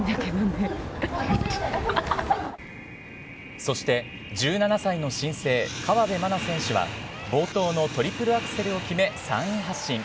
そして１７歳の新星、河辺愛菜選手は冒頭のトリプルアクセルを決め３位発進。